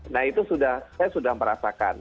nah itu sudah saya sudah merasakan